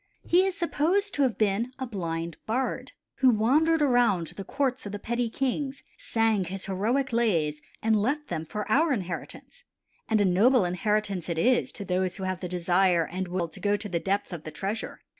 He is supposed to have been a blind bard, who wandered around to the courts of the petty kings, sang his heroic lays and left them for our inheritance, and a noble inheritance it is to those who have the desire and will to go to the depth of the treasure.